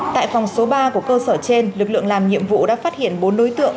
tại phòng số ba của cơ sở trên lực lượng làm nhiệm vụ đã phát hiện bốn đối tượng